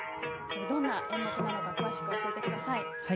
どんな演目なのか詳しく教えてください。